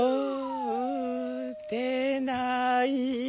う出ない。